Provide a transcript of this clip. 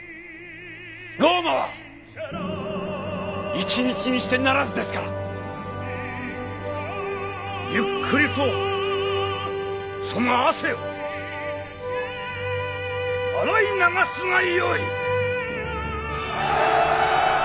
ローマは一日にして成らずですからゆっくりとその汗を洗い流すがよい！